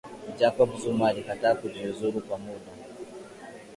jacob zuma alikataa kujiuzulu kwa muda